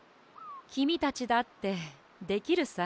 きみたちだってできるさ。